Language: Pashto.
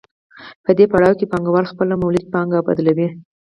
په دې پړاو کې پانګوال خپله مولده پانګه بدلوي